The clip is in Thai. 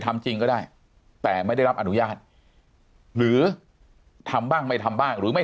ทำจริงก็ได้แต่ไม่ได้รับอนุญาตหรือทำบ้างไม่ทำบ้างหรือไม่